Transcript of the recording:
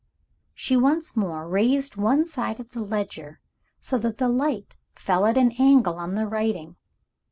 She once more raised one side of the ledger so that the light fell at an angle on the writing.